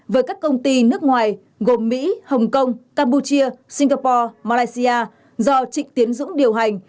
với các công ty nước ngoài gồm mỹ hồng kông campuchia singapore malaysia do trịnh tiến dũng điều hành